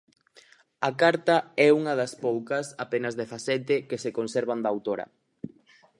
A carta é unha das poucas, apenas dezasete, que se conservan da autora.